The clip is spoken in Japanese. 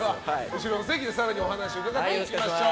後ろのお席で更にお話伺っていきましょう。